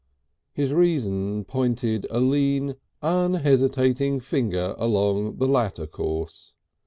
His reason pointed a lean, unhesitating finger along the latter course.